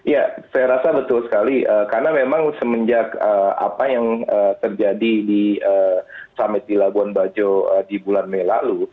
ya saya rasa betul sekali karena memang semenjak apa yang terjadi di summit di labuan bajo di bulan mei lalu